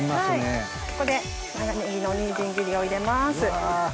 ここで長ネギのみじん切りを入れます。